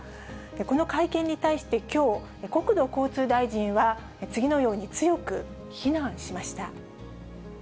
この会見に対してきょう、国土交通大臣は次のように強く非難しました。